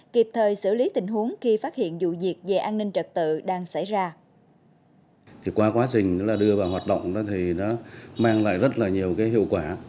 kịp thời xử lý tình huống khi phát hiện vụ diệt về an ninh trật tự